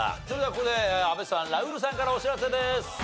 それではここで阿部さんラウールさんからお知らせです。